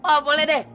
oh boleh deh